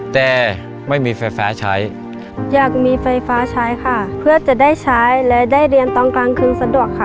แต่ไม่มีไฟฟ้าใช้อยากมีไฟฟ้าใช้ค่ะเพื่อจะได้ใช้และได้เรียนตอนกลางคืนสะดวกค่ะ